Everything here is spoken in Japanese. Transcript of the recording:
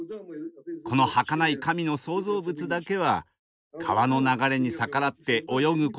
このはかない神の創造物だけは川の流れに逆らって泳ぐことができます。